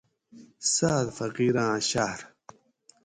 سعد فقیراں شعر